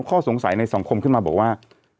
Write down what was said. ข้อสงสัยในสังคมขึ้นมาบอกว่า